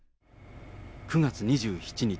９月２７日。